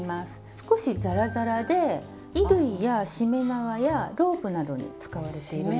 少しザラザラで衣類やしめ縄やロープなどに使われているんですよ。